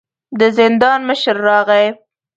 د زندان مشر راغی.